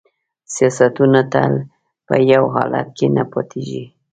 سیاستونه تل په یو حالت کې نه پاتیږي